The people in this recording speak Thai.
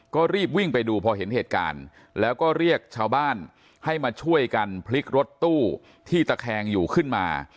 ก็รีบวิ่งไปดูพอเห็นเหตุการณ์แล้วก็เรียกชาวบ้านให้มาช่วยกันพลิกรถตู้ที่ตะแคงอยู่ขึ้นมา